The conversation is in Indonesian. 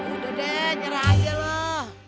udah deh nyerah aja lah